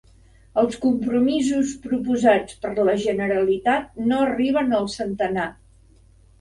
Els compromisos proposats per la Generalitat no arriben al centenar